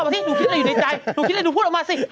ดูคิดอะไรอยู่ในใจดูพูดออกมาสิ